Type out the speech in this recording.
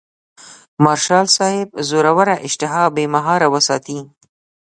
مارشال صاحب زوروره اشتها بې مهاره وساتي.